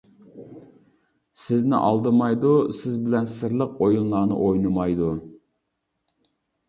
سىزنى ئالدىمايدۇ، سىز بىلەن سىرلىق ئويۇنلارنى ئوينىمايدۇ.